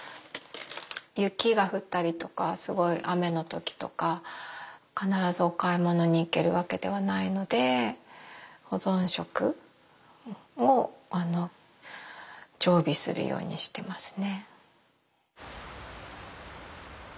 雪が降ったりとかすごい雨の時とか必ずお買い物に行けるわけではないので保存食を常備するようにしてますね。